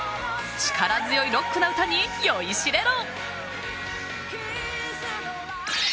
力強いロックな歌に酔いしれろ！